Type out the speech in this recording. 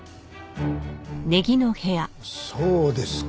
そうですか。